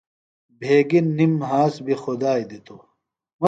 بھیگیۡ نِم مھاس بیۡ خدائی دِتوۡ۔